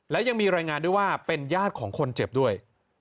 และยังมีรายงานด้วยว่าเป็นญาติของคนเจ็บด้วย